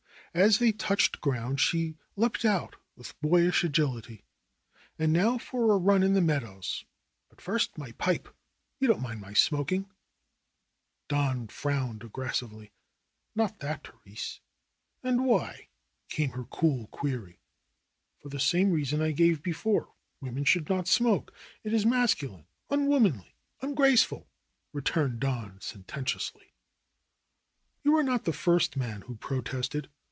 As they touched ground she leaped out with boyish agility. ^'And now for a run in the meadows, but first my pipe ! You don't mind my smoking ?" Don frowned aggressively. ^^Not that, Therese." '^And why ?" came her cool query. '^For the same reason I gave before; women should not smoke. It is masculine, unwomanly, ungraceful," returned Don sententiously. ^Wou are not the first man who protested.